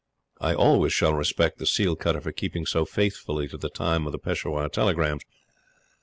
I always shall respect the seal cutter for keeping so faithfully to the time of the Peshawar telegrams.